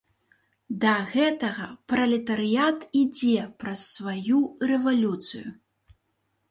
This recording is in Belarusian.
Да гэтага пралетарыят ідзе праз сваю рэвалюцыю.